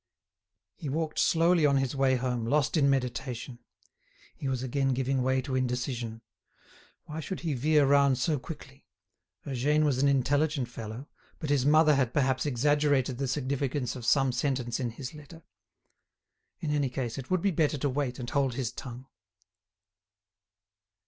He walked slowly on his way home, lost in meditation. He was again giving way to indecision. Why should he veer round so quickly? Eugène was an intelligent fellow, but his mother had perhaps exaggerated the significance of some sentence in his letter. In any case, it would be better to wait and hold his tongue.